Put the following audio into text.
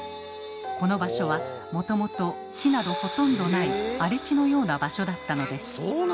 この場所はもともと木などほとんどない荒れ地のような場所だったのです。